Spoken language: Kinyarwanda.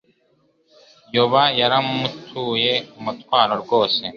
Yoba yaramutuye umutwaro rwose.